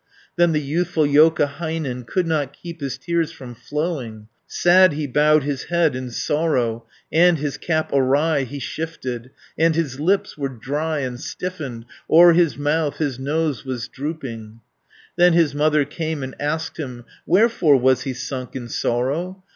Then the youthful Joukahainen Could not keep his tears from flowing; 500 Sad he bowed his head in sorrow, And his cap awry he shifted, And his lips were dry and stiffened, O'er his mouth his nose was drooping. Then his mother came and asked him Wherefore was he sunk in sorrow.